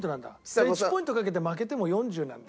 じゃあ１ポイントかけて負けても４０なんだ。